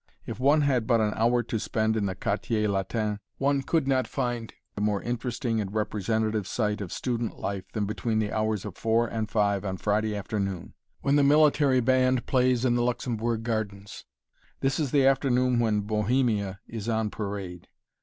If one had but an hour to spend in the Quartier Latin, one could not find a more interesting and representative sight of student life than between the hours of four and five on Friday afternoon, when the military band plays in the Luxembourg Gardens. This is the afternoon when Bohemia is on parade.